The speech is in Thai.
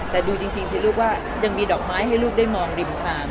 แต่ดูจริงสิลูกว่ายังมีดอกไม้ให้ลูกได้มองริมทาง